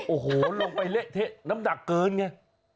โอ้โหลงไปเละเทะน้ำหนักเกินไง